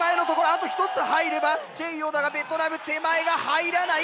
あと１つ入ればチェイヨーだがベトナム手前が入らない！